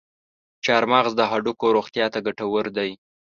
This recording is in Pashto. چارمغز د هډوکو روغتیا ته ګټور دی.